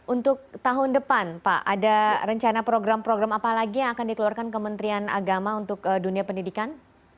untuk tahun depan pak ada rencana program program apa lagi yang akan dikeluarkan kementerian agama untuk dunia pendidikan